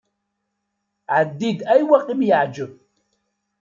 Ɛeddi-d ayweq i m-iɛǧeb.